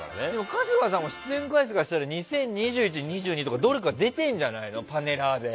春日さんは出演回数からすると２０２１、２０２２とかどれか出てるんじゃないの？